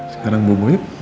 sekarang bu buik